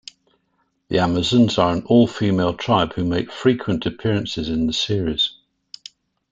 The Amazons are an all-female tribe who make frequent appearances in the series.